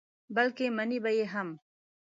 بلکې منې به یې هم.